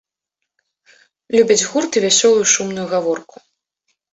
Любяць гурт і вясёлую шумную гаворку.